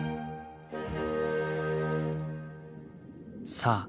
さあ